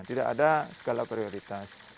tidak ada skala prioritas